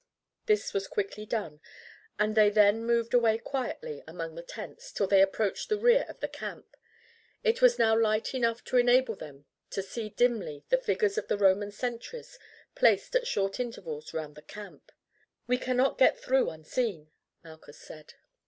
This was quickly done, and they then moved away quietly among the tents till they approached the rear of the camp. It was now light enough to enable them to see dimly the figures of the Roman sentries placed at short intervals round the camp. "We cannot get through unseen," Malchus said.